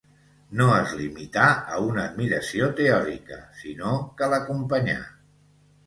no es limità a una admiració teòrica, sinó que l'acompanyà